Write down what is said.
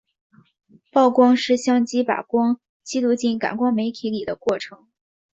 曝光是相机把光记录进感光媒体里的过程。